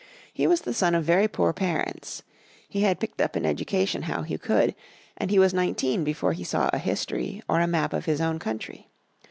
He was the son of very poor parents; he had picked up an education how he could, and he was nineteen before he saw a history, or a map of his own country.